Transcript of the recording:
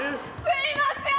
すいません！